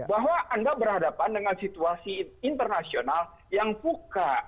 bahwa anda berhadapan dengan situasi internasional yang buka